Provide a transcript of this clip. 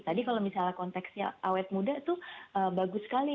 tadi kalau misalnya konteksnya awet muda itu bagus sekali